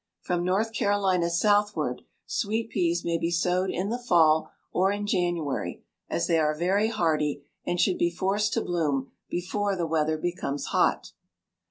From North Carolina southward, sweet peas may be sowed in the fall or in January, as they are very hardy and should be forced to bloom before the weather becomes hot.